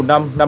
uống từ sáng à